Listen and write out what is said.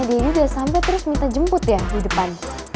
tanya daddy udah sampe terus minta jemput ya di depan